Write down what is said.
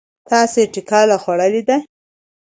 تاسې ټکله خوړلې ده؟